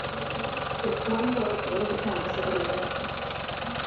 It formed what would later become the Soviet Air Forces.